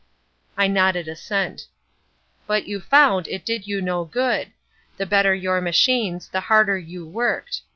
I nodded assent. "But you found it did you no good. The better your machines, the harder you worked.